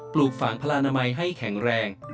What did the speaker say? ปลูกฝังพลานามัยให้แข็งแรง